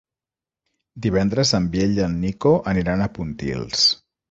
Divendres en Biel i en Nico aniran a Pontils.